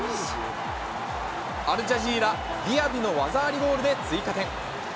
アルジャジーラ、ディアビの技ありゴールで追加点。